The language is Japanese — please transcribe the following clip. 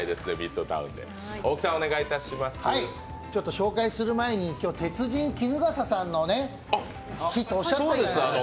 紹介する前に、今日は鉄人・衣笠さんの日とおっしゃってたじゃないですか。